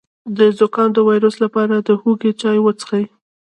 د زکام د ویروس لپاره د هوږې چای وڅښئ